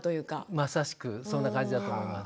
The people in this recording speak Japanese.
まさしくそんな感じだと思います。